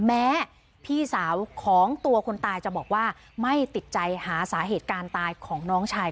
แม้พี่สาวของตัวคนตายจะบอกว่าไม่ติดใจหาสาเหตุการณ์ตายของน้องชาย